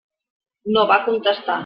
No va contestar.